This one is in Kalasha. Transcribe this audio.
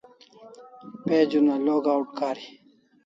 Page una logout kari